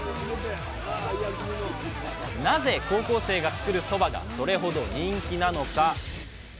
なぜ高校生が作るそばがそれほど人気なのか。